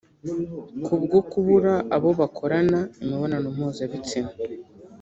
Kubwo kubura abo bakorana imibonano mpuzabitsina